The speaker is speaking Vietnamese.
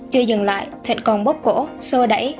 chưa dừng lại thịnh còn bóp cổ xô đẩy